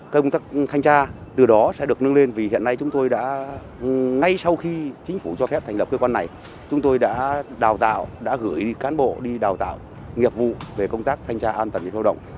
công tác thanh tra từ đó sẽ được nâng lên vì hiện nay chúng tôi đã ngay sau khi chính phủ cho phép thành lập cơ quan này chúng tôi đã đào tạo đã gửi cán bộ đi đào tạo nghiệp vụ về công tác thanh tra an toàn lao động